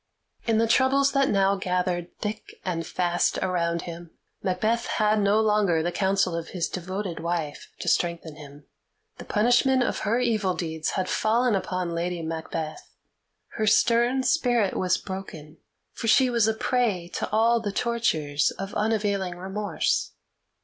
In the troubles that now gathered thick and fast around him, Macbeth had no longer the counsel of his devoted wife to strengthen him. The punishment of her evil deeds had fallen upon Lady Macbeth. Her stern spirit was broken, for she was a prey to all the tortures of unavailing remorse.